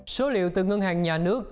số liệu từ ngân hàng nhà nước